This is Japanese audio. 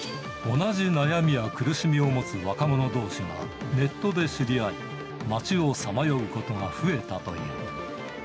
同じ悩みや苦しみを持つ若者どうしが、ネットで知り合い、街をさまようことが増えたという。